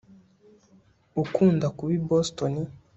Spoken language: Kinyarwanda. ukunda kuba i boston